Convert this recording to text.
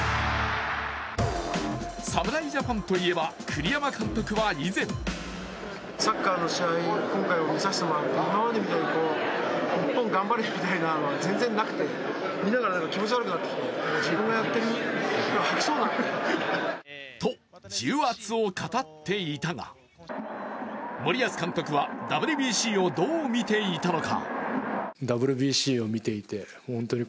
侍ジャパンといえば栗山監督は以前と、重圧を語っていたが森保監督はＷＢＣをどう見ていたのか。